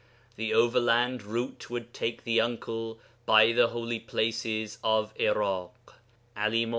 The overland route would take the uncle by the holy places of 'Irak; 'Ali [Muh.